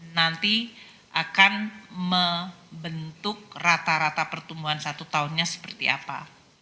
nanti akan membentuk rata rata pertumbuhan satu tahunnya seperti apa